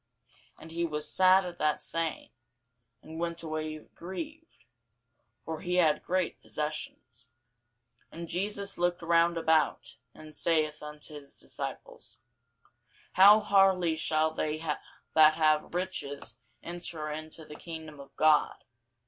And he was sad at that saying, and went away grieved: for he had great possessions. And Jesus looked round about, and saith unto his disciples, How hardly shall they that have riches enter into the kingdom of God!